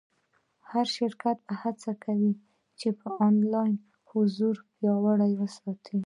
هر شرکت به هڅه کوي چې آنلاین حضور پیاوړی وساتي.